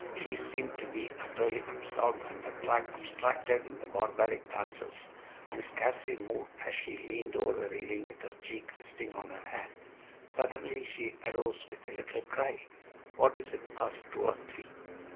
She seemed to be utterly absorbed and abstracted in the barbaric dances, and scarcely moved as she leaned over the railing with her cheek resting on her hand. Suddenly she arose with a little cry. "What is it?" asked two or three.